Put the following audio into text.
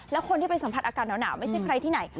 แล้วคนที่ไปสัมผัสอากาศหนาวไม่ใช่ใครที่ไหน